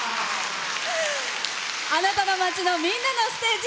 あなたの街の、みんなのステージ。